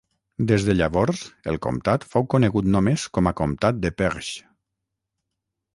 Des de llavors el comtat fou conegut només com a comtat de Perche.